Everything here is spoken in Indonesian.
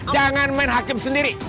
jangan main hakim sendiri